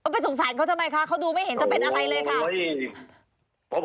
ไปสงสารเขาทำไมคะเขาดูไม่เห็นจะเป็นอะไรเลยค่ะ